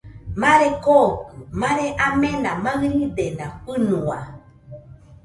Mare kookɨ mare amena maɨridena fɨnua.